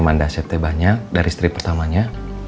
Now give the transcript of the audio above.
mandasete banyak dari istri pertamanya